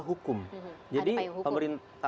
hukum jadi pemerintah